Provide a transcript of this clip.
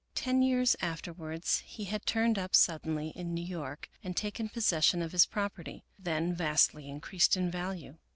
Ten years afterwards he had turned up suddenly in New York and taken possession of his property, then vastly increased in value.